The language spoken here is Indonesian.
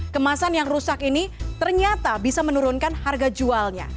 kemasan yang rusak ini ternyata bisa menurunkan harga jualnya